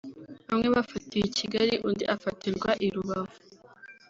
Bamwe bafatiwe i Kigali undi afatirwa i Rubavu